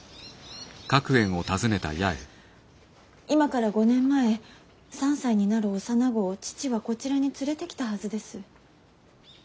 今から５年前３歳になる幼子を父はこちらに連れてきたはずです。